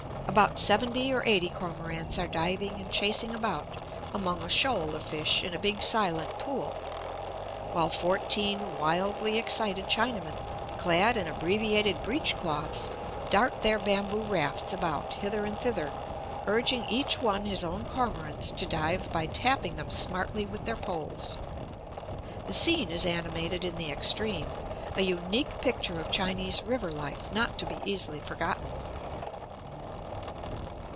About seventy or eighty cormorants are diving and chasing about among a shoal of fish in a big silent pool, while fourteen wildly excited Chinamen, clad in abbreviated breech cloths, dart their bamboo rafts about hither and thither, urging each one his own cormorants to dive by tapping them smartly with their poles. The scene is animated in the extreme, a unique picture of Chinese river life not to be easily forgotten.